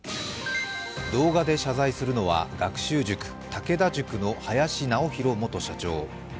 動画で謝罪するのは学習塾、武田塾の林尚弘元社長。